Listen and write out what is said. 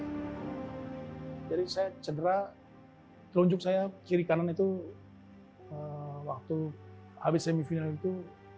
jadi saya cedera telunjuk saya kiri kanan itu waktu habis semifinal itu